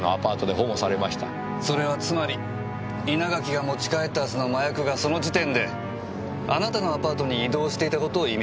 それはつまり稲垣が持ち帰ったはずの麻薬がその時点であなたのアパートに移動していた事を意味します。